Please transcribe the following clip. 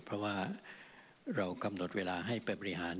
เพราะว่าเรากำหนดเวลาให้ไปบริหาร